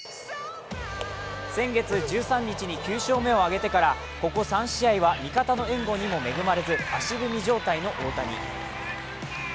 先月１３日に９勝目を挙げてからここ３試合は、味方の援護にも恵まれず、足踏み状態の大谷。